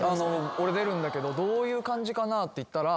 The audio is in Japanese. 俺出るんだけどどういう感じかな？って言ったら。